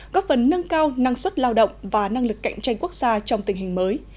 góp phần nâng cao năng suất lao động và năng lực cạnh tranh quốc gia trong tình hình mới